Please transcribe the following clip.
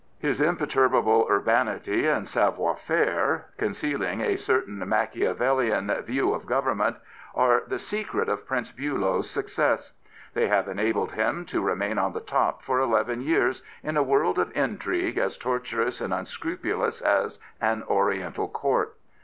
His imperturbable urbanity and savoir faire, con cealing a certain Machiavellian view of government, are the secret of Prince Billow's success. They have enabled him to remain on the top for eleven years in a world of intrigue as tortuous and unscrupulous as an Orient^ Court.